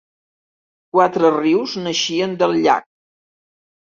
Quatre rius naixien del llac.